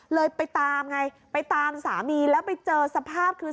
เลยไปตามไงไปตามสามีแล้วไปเจอสภาพคือ